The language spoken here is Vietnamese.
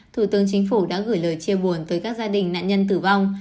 thủ tướng chính phủ đã gửi lời chia buồn tới các gia đình nạn nhân tử vong